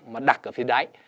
mà đặc ở phía đáy